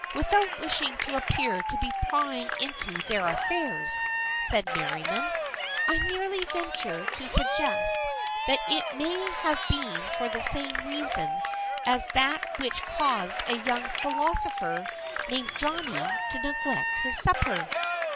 " Without wishing to appear to be prying into their affairs," said Merriam, " I merely venture to suggest that it may have been for the same reason as that which caused a young philosopher named Johnny to neglect his supper."